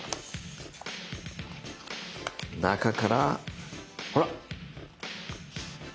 中からほら！